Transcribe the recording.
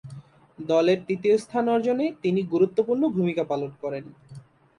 দলের তৃতীয় স্থান অর্জনে তিনি গুরুত্বপূর্ণ ভূমিকা পালন করেন।